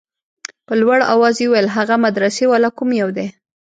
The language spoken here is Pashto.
په لوړ اواز يې وويل هغه مدرسې والا کوم يو دى.